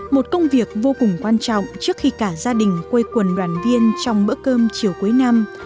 một công việc vô cùng quan trọng trước khi cả gia đình quây quần đoàn viên trong bữa cơm chiều cuối năm